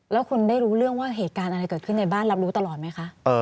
แล้วคุณได้รู้เรื่องว่าเหตุการณ์อะไรเกิดขึ้นในบ้านรับรู้ตลอดไหมคะ